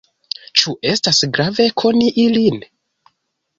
Ĉu estas grave koni ilin?